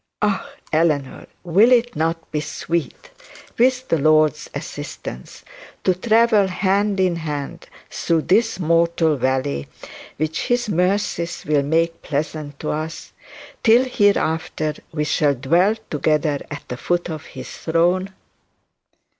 'Ah! Eleanor, will it not be sweet with the Lord's assistance, to travel hand in hand through this mortal valley which his mercies will make pleasant to us, till hereafter we shall dwell together at the foot of his throne?'